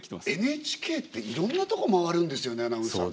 ＮＨＫっていろんなとこ回るんですよねアナウンサーが。